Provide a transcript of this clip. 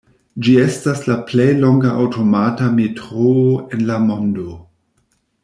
Ĝi estas la plej longa aŭtomata metroo en la mondo.